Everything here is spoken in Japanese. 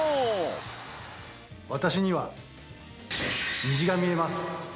私には虹が見えます。